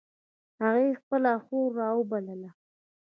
هغې خپله خور را و بلله